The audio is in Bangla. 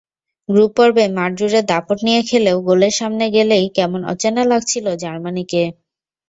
গ্রুপপর্বে মাঠজুড়ে দাপট নিয়ে খেলেও গোলের সামনে গেলেই কেমন অচেনা লাগছিল জার্মানিকে।